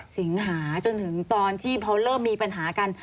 สิงหาจนถึงตอนที่พอเริ่มมีปัญหากัน